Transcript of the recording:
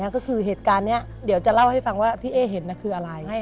ก็คือเหตุการณ์นี้เดี๋ยวจะเล่าให้ฟังว่าที่เอ๊เห็นคืออะไร